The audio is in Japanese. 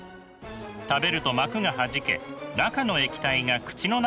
食べると膜がはじけ中の液体が口の中で広がります。